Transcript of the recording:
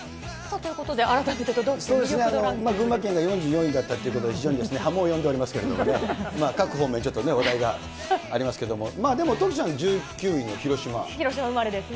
ということで、群馬県が４４位だったということで、非常に波紋を呼んでおりますけれどもね、各方面、ちょっとね話題がありますけれども、広島生まれですね。